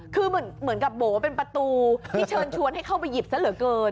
คือเหมือนกับโบ๋เป็นประตูที่เชิญชวนให้เข้าไปหยิบซะเหลือเกิน